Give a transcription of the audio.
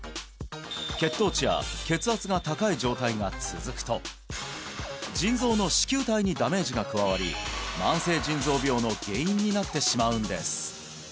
血糖値や血圧が高い状態が続くと腎臓の糸球体にダメージが加わり慢性腎臓病の原因になってしまうんです